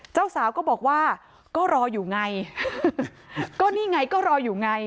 เจ้าสาวก็บอกว่าก็รออยู่ไงก็นี่ไงก็รออยู่ไง